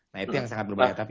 nah itu yang sangat berbahaya